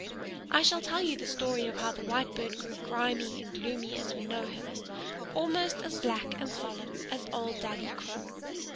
I shall tell you the story of how the Whitebird grew grimy and gloomy as we know him, almost as black and solemn as old Daddy Crow.